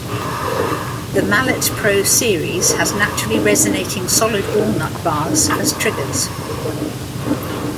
The Mallet Pro series has naturally resonating solid walnut bars as triggers.